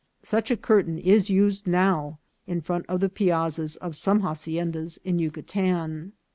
Such a curtain is used now in front of the piazzas of some haciendas in Yucatan.